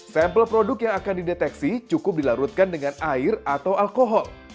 sampel produk yang akan dideteksi cukup dilarutkan dengan air atau alkohol